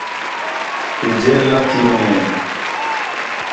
کہ جیل نہ تھی ون٘ڄے